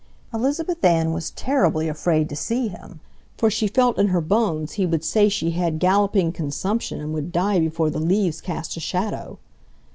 Elizabeth Ann was terribly afraid to see him, for she felt in her bones he would say she had galloping consumption and would die before the leaves cast a shadow.